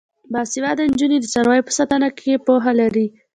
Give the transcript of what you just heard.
باسواده نجونې د څارویو په ساتنه کې پوهه لري.